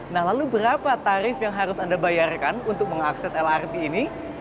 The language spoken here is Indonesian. nah lalu berapa tarif yang harus anda bayarkan untuk mengakses lrt ini